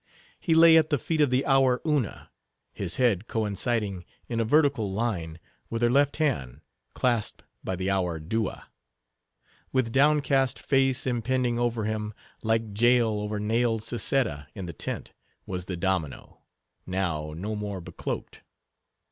He lay at the feet of the hour Una; his head coinciding, in a vertical line, with her left hand, clasped by the hour Dua. With downcast face impending over him, like Jael over nailed Sisera in the tent, was the domino; now no more becloaked.